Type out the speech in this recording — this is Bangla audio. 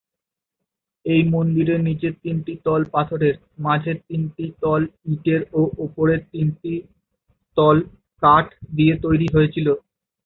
এই মন্দিরের নিচের তিনটি তল পাথরের, মাঝের তিনটি তল ইটের ও ওপরের তিনটি তল কাঠ দিয়ে তৈরী হয়েছিল।